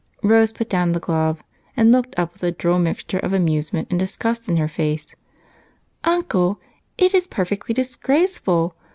Rose put down the glove and looked up with a droll mixture of amusement and disgust in her face. "Uncle, it is perfectly disgraceful!